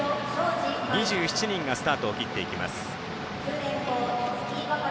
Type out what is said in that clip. ２７人がスタートを切っていきます。